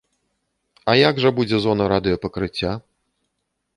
А як жа будзе зона радыёпакрыцця?